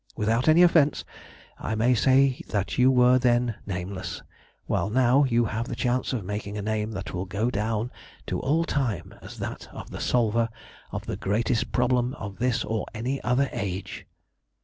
Without any offence, I may say that you were then nameless, while now you have the chance of making a name that will go down to all time as that of the solver of the greatest problem of this or any other age.